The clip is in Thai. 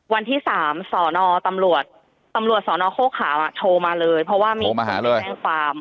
วันที่๓สรตำรวจสรโฆขาโทรมาเลยเพราะว่ามีคนแจ้งความโทรมาหาเลย